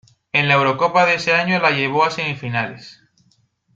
En la Eurocopa de ese año la llevó a semifinales.